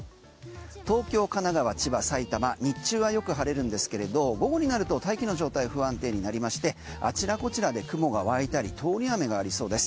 東京、神奈川、千葉、埼玉日中はよく晴れるんですけれど午後になると大気の状態不安定になりましてあちらこちらで雲が湧いたり通り雨がありそうです。